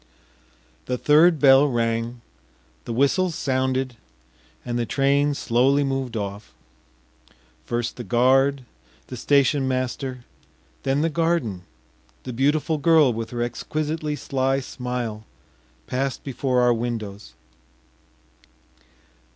The third bell rang, the whistles sounded, and the train slowly moved off. First the guard, the station master, then the garden, the beautiful girl with her exquisitely sly smile, passed before our windows....